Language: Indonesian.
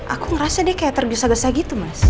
aku ngerasa dia kayak tergesa gesa gitu mas